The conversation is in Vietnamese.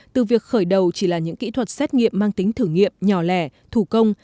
từ việc khởi đầu chỉ là những kỹ thuật xét nghiệm mang tính thử nghiệm nhỏ lẻ thủ công